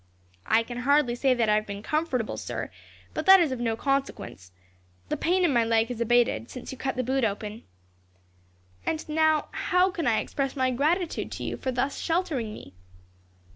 "I can hardly say that I have been comfortable, sir, but that is of no consequence. The pain in my leg has abated, since you cut the boot open. "And now, how can I express my gratitude to you, for thus sheltering me?"